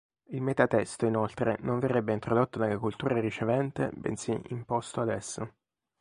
Il metatesto, inoltre, non verrebbe introdotto nella cultura ricevente, bensì "imposto" ad essa.